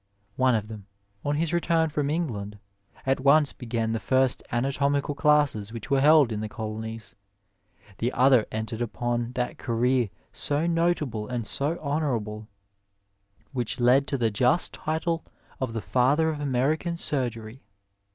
One of them, on his return from England, at once began the first anatomical classes which were held in the colonies ; Digitized by Google THE LEAVEN OF SCIENCE the other entered upon that career so notable and so honour able, which led to the just title of the Father of American Surgery.